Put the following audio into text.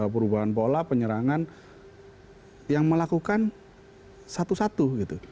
perubahan pola penyerangan yang melakukan satu satu gitu